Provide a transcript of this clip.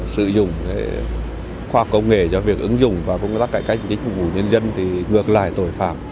sử dụng khoa công nghệ cho việc ứng dụng và công tác cải cách để phục vụ nhân dân thì ngược lại tội phạm